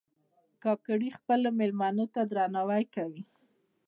کاکړي خپلو مېلمنو ته درناوی کوي.